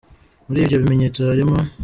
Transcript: Muri ibyo bimenyetso hari mo :.